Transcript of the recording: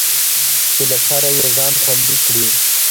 چې له شره يې ځان خوندي کړي.